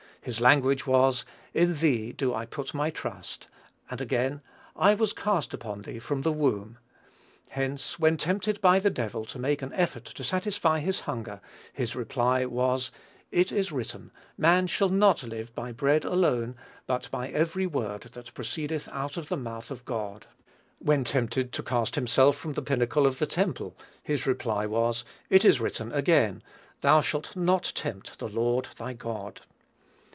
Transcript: His language was, "In thee do I put my trust;" and again, "I was cast upon thee from the womb." Hence, when tempted by the devil to make an effort to satisfy his hunger, his reply was, "It is written, Man shall not live by bread alone, but by every word that proceedeth out of the mouth of God." When tempted to cast himself from the pinnacle of the temple, his reply was, "It is written again, Thou shalt not tempt the Lord thy God."